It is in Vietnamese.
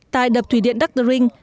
tại đập thủy điện dr ring